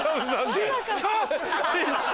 小っちゃ！